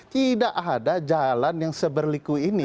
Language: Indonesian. tidak ada jalan yang seberliku ini